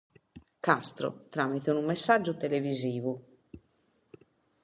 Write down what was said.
Castro, tràmite unu messàgiu televisivu.